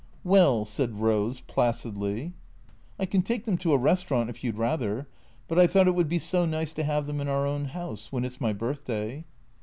" Well " said Rose placidly. " I can take them to a restaurant if you 'd rather. But I thought it would be so nice to have them in our own house. When it 's my birthday."